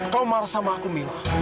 kamu marah sama aku mila